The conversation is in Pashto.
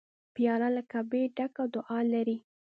پیاله له کعبې ډکه دعا لري.